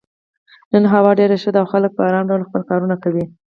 نن هوا ډېره ښه ده او خلک په ارام ډول خپل کارونه کوي.